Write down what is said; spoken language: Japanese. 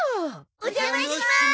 お邪魔します。